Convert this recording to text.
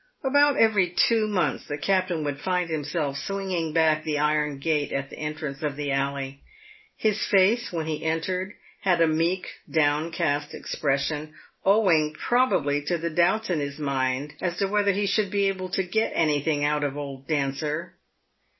About every two months the captain would find himself swinging back the iron gate at the entrance of the alley. His face, when he entered, had a meek, downcast expression, owing, probably, to the doubts in his mind as to whether he should be able " to get anything out of old Dancer."